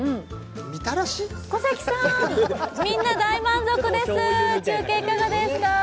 小関さん、みんな大満足です中継いかがですか？